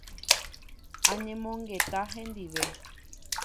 Añemongeta hendive.